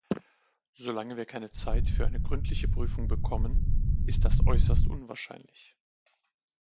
Solange wir keine Zeit für eine gründliche Prüfung bekommen, ist das äußerst unwahrscheinlich.